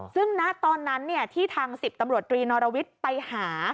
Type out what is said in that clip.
ซึ่งณตอนนั้นที่ทาง๑๐ตำรวจตรีนอรวิทย์ไปหา